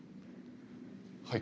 はい。